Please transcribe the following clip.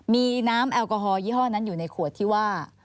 มีน้ำแอลกอฮอลยี่ห้อนั้นอยู่ในขวดที่ว่า